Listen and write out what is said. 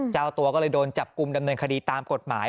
เจ้าตัวก็เลยโดนจับกลุ่มดำเนินคดีตามกฎหมาย